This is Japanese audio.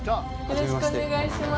よろしくお願いします。